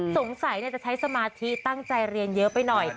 สงสัยจะใช้สมาธิตั้งใจเรียนเยอะไปหน่อย